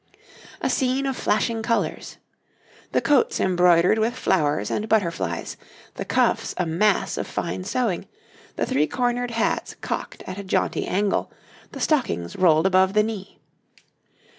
A scene of flashing colours. The coats embroidered with flowers and butterflies, the cuffs a mass of fine sewing, the three cornered hats cocked at a jaunty angle, the stockings rolled above the knee.